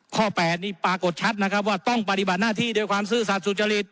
๘นี่ปรากฏชัดนะครับว่าต้องปฏิบัติหน้าที่ด้วยความซื่อสัตว์สุจริต